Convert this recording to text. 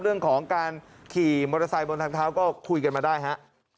เรื่องของการขี่มอเตอร์ไซค์บนทางเท้าก็คุยกันมาได้ฮะ